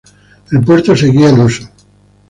El puerto seguía en uso.